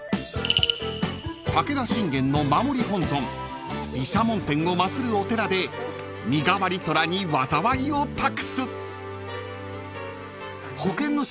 ［武田信玄の守り本尊毘沙門天を祭るお寺で身がわり寅に災いを託す］